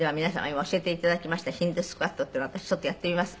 今教えて頂きましたヒンドゥースクワットっていうのを私ちょっとやってみます。